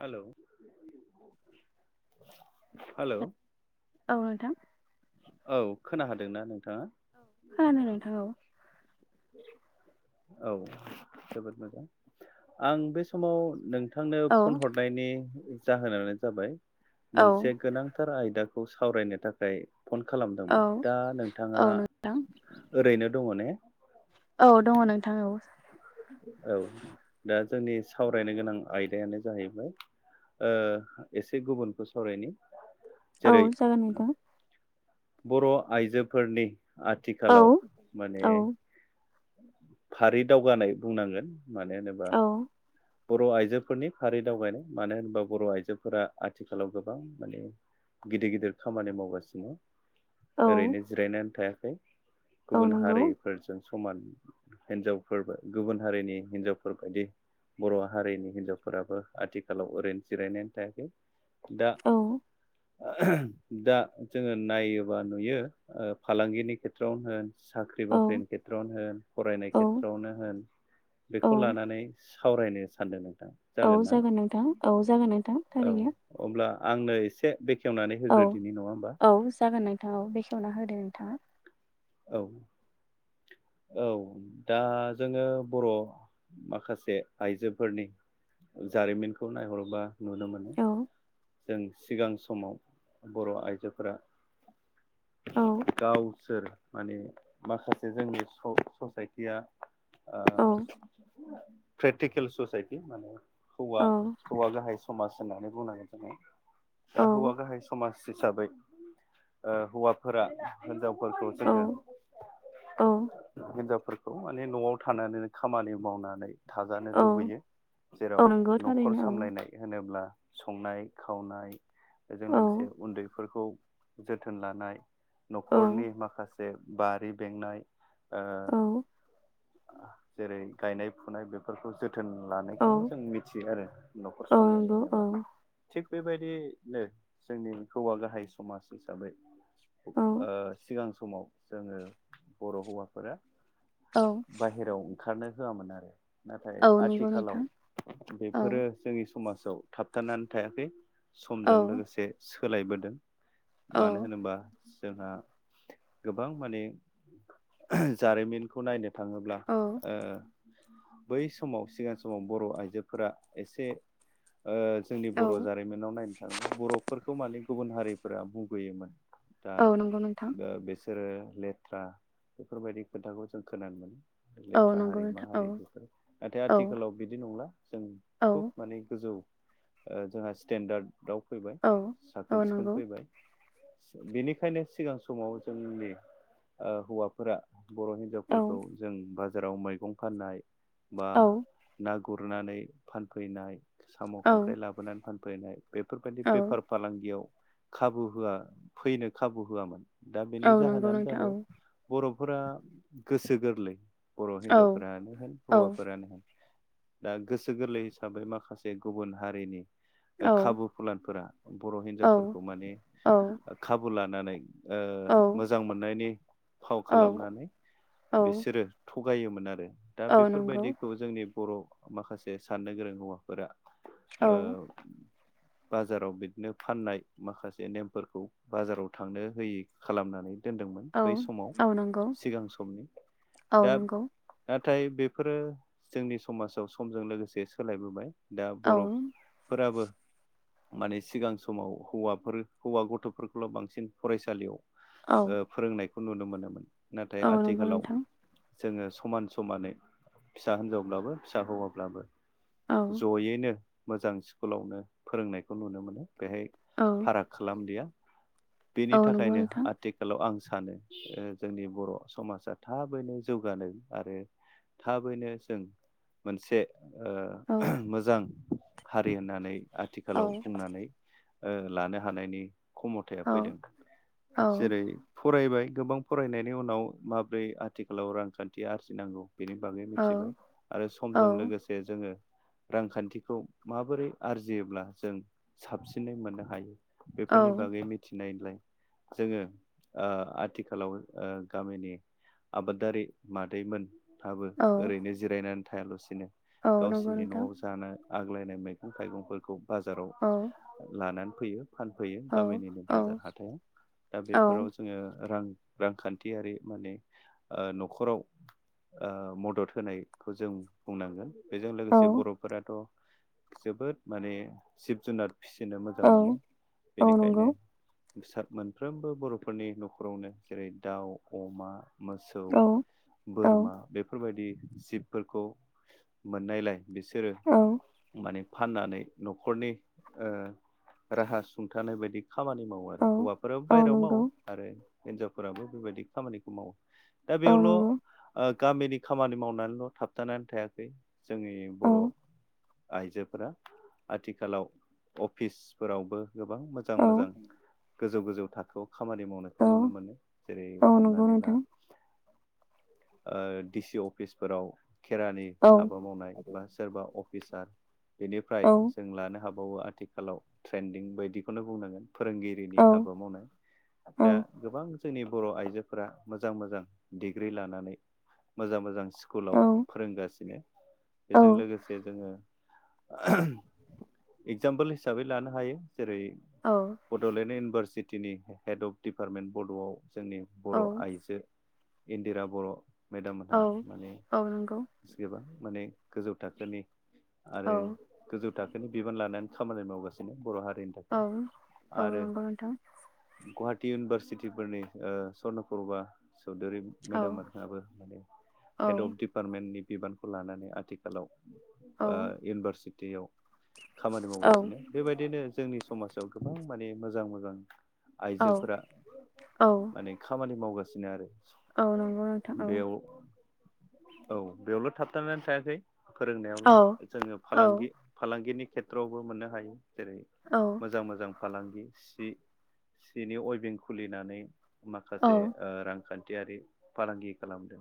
Hello hello औ नोंथां। औ खोनाखादोंना नों औ खोनादों नोंथां औ औ जोबोद मोजां आं बे समाव नों नथांनो फन औ हरनायनि जाहोनानो जाबाय औ मोनसे गोनांथार आयद दाखौ सावरायनो थाखाय फन औ खालामदोंमोन दा नोंथाङा औ नोंथां ओरैनो दङ ने औ दङ नोंथां औ औ दा जोंनि सावरायनो गोनां आयदायानो जाहैबाय ओ एसे गुबुनखौ सावरायनि औ जेरै जागोन नोंथां बर आइजोफोरनि औ आथिखालाव माने औ फारि दावगानाय बुंनांगोन मानो होनोबा औ बर' आइजोफोरनि फारि दावगनाय मानो होनोबा बर' आइजोफोरा आथिखालाव गोबां माने गिदिर गिदिर खामानि मावगासिनो औ ओरैनो जिरायनानै थायाखै औ गुबुन नंगौ हारिफोरजों समान हिन्जावफोरबो गुबुन हारिनि हिनजावफोरबायायदि बर' हारिनि हिन्जावफोराबो आथिखालाव ओरैनो जिरायनानै थायाखै दा औ दा जोङो नायोबा नुयो फालांगिनि खेथ्रआवनो होन साख्रि औ बाख्रिनि खेथ्रआवनो होन फरायनाय औ खेथ्रआवनो होन औ बेखौ लानानै सावरायनो सानदों नों औ जागोनना जागोन नोंथां औ जागोन नोंथां औ थारैनो अब्ला आंनो एसे बेखेवनानै होग्रो औ औ जागोन नोंथां औ बेखेवना होदो नोंथाङा औ औ दा जोङो बर' माखासे आइजोफोरनि जारिमिनखौ नायहरोबा नुनो मोनो औ जों सिगां समाव बर' आइजोफोरा औ गावसोर माने माखासे जोंनि स-ससाइटिया ओ औ प्रेक्टिकेल ससाइटि माने हौवा औ हौवा गाहाय समाज होननानै बुंनांगोन। औ दा हौवा गाहाय समाज हिसाबै ओ हौवाफोरा हिनजाव ल खौ औ जोङो हिनजावफोरखौ माने न'आव थानानै खामानि मावनानै थाजानो औ लुबैयो जेराव औ नंगौ न'खर थारैनो सामलायनाय होनोब्ला संनाय खावनाय बेजों औ लोगोसे उन्दैफोरखौ जोथोन लानाय न'खरनि माखासे बारि बेंनाय ओ औ जेरै गायनाय फुनाय बेफोरखौ जो थोन औ लानायखौनो जों मिथियो आरो न'खर औ सामलायनाय नंगौ औ होनोबा थिग बेबायदिनो जोंनि हौवा गाहाय समाज हिसाबै औ ओ सिगां समाव जोङो बर' हौवाफोरा औ बाहेरायाव ओंखारनो होआमोन आरो नाथाय औ नंगौ आथिखालाव नोंथां औ बेफोरो जोंनि समाजाव थाबथानानै थायाखै औ समजों लोगोसे सोलायबोदों औ मानो होनोबा जोंहा गोबां माने जारिमिनखौ नायनो थाङोब्ला औ बै समाव सिगां समाव बर' आइजोफोरा एसे ओ जोंनि औ बर' जारिमिनाव नायनो थाङोब्ला बर'फोरखौ माने गुबुन हारिफोरा मुगैयोमोन दा औ नंगौ नोंथां ओ बिसोरो लेथ्रा बेफोरबायदि खोथाखौ जों खोनानो मोनो औ लेथ्रा नंगौ हारि नोंथां औ माहाहारि बेफोर नाथाय औ आथिखालाव बिदि नंला जों औ खुब माने गोजौ ओ जोंहा स्टेनडार्ड दाउ फैबाय औ साखोन औ सिखोन नंगौ फैबाय बेनिखायनो सिगां समाव जोंनि ओ हौवाफोरा बर' हिनजावफोरखौ औ जों बाजाराव मैंगं फाननाय औ बा गुरनानै फानफैनाय साम' औ खांख्राइ लाबोनानै फानफैनाय बेफोरबायदि औ बेफार फालांगियाव खाबु होआ फैनो खाबु होआमोन दा बेनि औ नंगौ जाहोनानो नोंथां जाबाय बर'फोरा गोसो गोरलै बर' औ हिनजावफोरानो होन औ हौवाफोरानो होन दा गोसो गोरलै हिसाबै माखासे गुबुन हारिनि औ खाबु फुलानफोरा बर' औ हिनजावफोरखौ माने खाबु लानानै औ मोजां मोननायनि फाव औ खालामनानै औ बिसोरो थगायोमोन आरो दा औ नंगौ बेफोरबायदिखौ जोंनि बर' माखासे साननो गोरों हौवाफोरा औ औ बाजाराव बिदिनो फाननाय माखासे नेमफोरखौ बाजाराव थांनो होयि खालामनानै दोनदोंमोन औ बै समाव औ नंगौ सिगां सम औ नंगौ नाथाय बेफोरो जोंनि समाजाव समजों लोगोसे सोलायबोबाय दा औ बर'फोराबो माने सिगां समाव हौवाफोर हौवा गथ'फोरखौल' बांसिन फरायसालियाव औ फोरोंनायखौ नुनो मोनोमोन नाथाय औ नंगौ आथिखालाव नोंथां जोङो समान समानै फिसा हिनजावब्लाबो फिसा हौवाब्लाबो औ जयैनो मोजां स्कुलावनो फोरोंनायखौ नुनो मोनो बेहाय औ फाराग खालामदिया औ बेनि नंगौ थाखायनो नोंथां आथिखालाव आं सानो जोंनि बर' समाज थाबैनो जौगानो आरो थाबैनो जों मोनसे औ मोजां हारि होननानै औ आथिखालाव बुंनानै लानो हानायनि खमथाया औ फैदों औ जेरै फरायबाय गोबां फरायनायनि उनाव माबोरै आथिखालाव रांखान्थि आरजिनांगौ बुहुत बेनि बागै औ मिथिबाय आरो समजों औ लोगोसे जोङो रांखान्थिखौ माबोरै आरजियोब्ला जों साबसिनै मोननो हायो औ बेफोरनि बागै मिथिनाय जोङो आथिखालाव गामिनि आबादारि मादैमोनहाबो औ ओरैनो जिरायनानै थायालासिनो औ नंगौ गावसोरनि नोंथां न'आव जानो आग्लायनाय मैगं थाइगंफोरखौ बाजाराव औ लानानै फैयो फानफैयो औ गामिनिनो औ बाजार हाथायाव दा औ बेफोराव जोङो रां रांखान्थियारि माने न'खराव मदद होनायखौ जों बुंनांगोन बेजों औ लोगोसे बर'फोराथ' जोबोद माने जिब जुनार फिसिनो मोजां औ मोनो औ बेनिखायनो नंगौ सात मोनफ्रोमबो बर'फोरनि न'खरावनो जेरै दाउ अमा मोसौ औ औ बोरमा बेफोरबायदि जिबफोरखौ मोननायलाय बिसोरो औ माने फाननानै न'खरनि राहा सुंथानाय बायदि खामानि मावो आरो औ हौवाफोराबो औ बाहेराव नंगौ मावो आरो हिनजावफोराबो बेबायदि खामानिखौ मावो दा औ नंगौ बेयावल' गामिनि खामानि मावनानैल' थाबथानानै थायाखै जोंनि औ बर' आइजोफोरा आथिखालाव अफिसफोरावबो गोबां मोजां औ मोजां गोजौ गोजौ थाखोआव खामानि औ मावनायखौ नुनो मोनो जेरै औ नंगौ हमनानै ला नोंथां ओ डिसि अफिसफोराव खेरानि औ हाबा मावनाय बा सोरबा अफिसार बेनिफ्राय औ जों लानो हाबाय बावो आथिखालाव ट्रेन्दिं बायदिखौनो बुंनांगोन। फोरोंगिरिनि औ हाबा मावनाय औ दा गोबां जोंनि बर' आइजोफोरा मोजां मोजां डिग्रि लानानै मोजां मोजां औ स्कुलाव फोरोंगासिनो। बेजों औ लोगोसे जोङो एगजामपोल हिसाबै लानो हायो। जेरै औ बड'लेण्ड इउनिभारसिटिनि हेड अफ डिपार्टमेन्ट बड'आव जोंनि बर' औ आइजो इन्दिरा बर' मेदाम औ मोनहा माने औ नंगौ गोबां माने गोजौ थाखोनि औ आरो गोजौ थाख [unintelligible] थाखोनि बिबान लानानै खामानि मावगासिनो बर' हारि औ औ आरो नंगौ नोंथां गहाथि इउनिभारसिटिफोरनि ओ स्र्नपुरबा चौधुरि औ मेदाम औ मोनहाबो माने हेड अफ डिपार्टमेन्टनि बिबानखौ लानानै आथिखालाव औ ओ इउनिभारसिटियाव खामानि मावगासिनो बेबायदिनो जोंनि समाजाव गोबां माने मोजां मोजां आइजोफोरा औ औ माने खामानि मावगासिनो आरो औ नंगौ नोंथां बेयाव औ औ बेयावल' थाबथानानै थायाखै फोरोंनायावल' जोङो औ फालांगि फालांगिनि खेथ्रआवबो मोननो हायो जेरै औ औ मोजां मोजां फालांगि सि सिनि अयभिं खुलिनानै औ माखासे ओ रांखान्थि यारि फालांगि खालामदों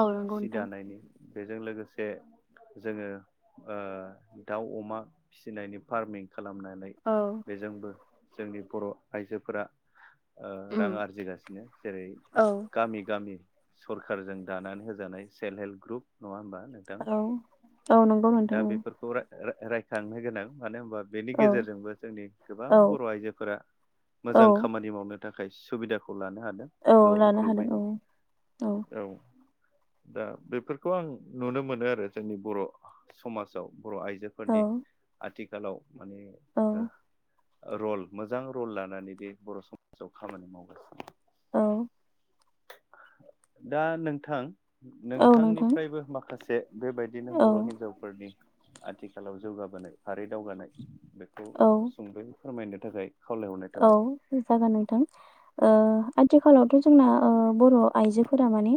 औ नंगौ सि नोंथां दानायनि बेजों लोगोसे जे जोङो ओ दाव अमा फिसिनायनि फार्मिं खालामनानै औ बेजोंबो जोंनि बर' आइजोफोरा ओ उम रां आरजिगासिनो जेरै औ गामि गामि सरखारजों दानानै हो सेलहेब ग्रुब नङा होमबा नोंथां औ औ नंगौ दा नोंथां बेफोरखौ राय राय रायखांनो गोनां मानो होनबा बेनि औ गेजेरजोंबो जोंनि गोबां औ बर' आइजोफोरा औ मोजां खामानि मावनो थाखाय सुबिदाखौ लानो हादों औ ज' लानो हादों ग्रुुबैनो औ दा बेफोरखौ आं नुनो मोनो आरो जोंनि बर' समाजाव बर' औ आइजोफोरनि आथिखालाव माने औ रल मोजां रल लानानै बे बर' समाजाव खामानि मावगासिनो। औ दा नोंथां औ नोंथां नोंथांनिफ्रायबो माखासे बेबायदिनो औ बर' हिनजावफोरनि आथिखालाव जौगाबोनाय आरै दावगानाय बेखौ औ सुंदय फोरमायनो थाखाय खावलायहरनाय औ थाबाय जागोन नोंथां ओ आथिखालावथ' जोंना ओ बर'आ आइजोफोरा माने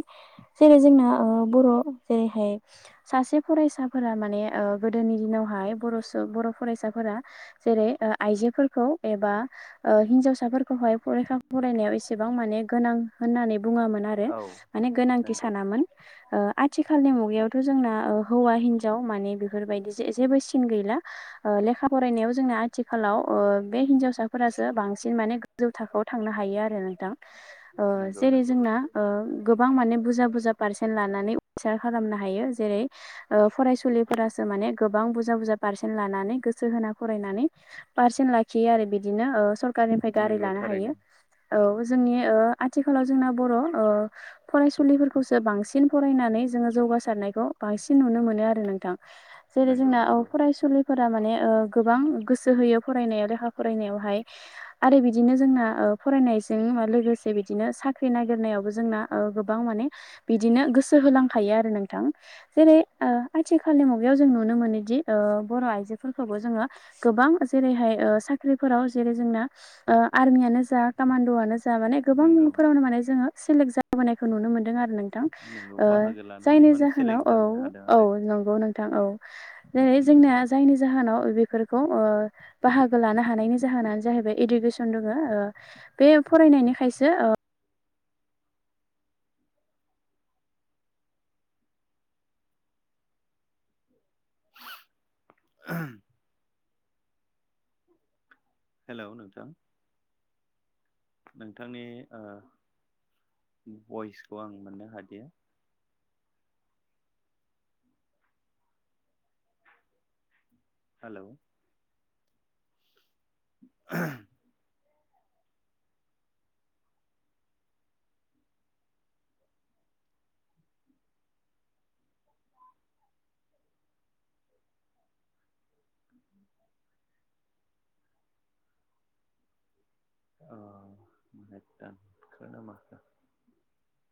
जेरै जोंना ओ बर' जेरै सासे फरायसाफोरा माने ओ गोदोनि दिनावहाय बर' स बर फरायसाफोरा जेरै ओ आइजोफोरखौ एबा ओ हिनजाव साफोरखौहाय फरेका फरायनायाव एसेबां माने गोनां होननानै बुङामोन आरो औ माने गोनां नंगौ साननामोन आथिखालनि मुगायावथ' जोंना हौ माने बेफोरबादि जेबो सिन गैला ओ लेखा फरायनाय जोंना आथिालाव ओ बे हिन्जाव फासो बांसिन माने गोजौ थाखोआव थांनो हायो आरो नोंथां ओ नंगौ जेरै नंगौ जोंना ओ गोबां माने बुरजा बुरजा पारसेन् लानानै उसार खालामनो हायो जेरै फरायसुलि फोरासो माने गोबां बुरजा बुरजा फार्सेन लानानै गोसो होना फरायनानै फार्सेन लाखियो आरो बिदिनो ओ सरकारनिफ्राय गारि नंगौ लानो थारैनो हायो औ जोंनि ओ आथिखालाव जोंना बर' ओ फरायसुलिफोरखौसो बांसिन फरायनानै जोंडो जौ गासारनायखौ बांसिन नुनो मोनो आरो नोंथां। जेरै नंगौ जोंना ओ नंगौ फरायसुलिफोरा ओ माने गोबां गोसो होयो फरायनायाव लेखा फरायनायाव ओमफाय आरो बिदिनो जोंना ओ फरायनायजों लोगोसे बिदिनो साख्रि नागिरनायावबो जोंना ओ गोबां माने बिदिनो गोसो होलांखायो आरो नोंथां जेरै ओ आथिखालनि मुगा - बेयाव जों नुनो मोनोदि ओ बर आयजोफोरखोबो जोङो गोबां जेरैहाय साख्रि फोराव जेरै जोंना ओ आर्मियानो जा कामान्डआनो जा माने नंगौ गोबांफोरावनो माने जोङो सेलेक्ट जाबोनायखौ नुनो मोनदों आरो नोंथां नोंथां नंगौ ओ बाहागो लानानै जायनि माने जाहोनाव सेलेक्ट जानो हादों औ औ आरो नंगौ नोंथां औै जोंना जायनि जाहोनाव बेफोरखौ ओ बाहागो लानो हायो। हानायनि जाहोनानो जाहैबाय इडुकेसन दङ ओ बे फरायनायनिखायसो हेलौ नोंथां नोंथांनि ओ भइसखौ आं मोननो हादिया हेलौ [inaudible] [unintelligible]